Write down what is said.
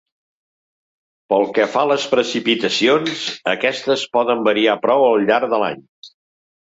Pel que fa a les precipitacions, aquestes poden variar prou al llarg de l'any.